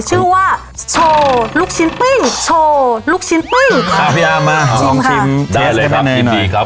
ชื่อว่าโชว์ลูกชิ้นปึ้งโชว์ลูกชิ้นปึ้งพี่อำมาโชว์ลองชิมด้ายเลยครับ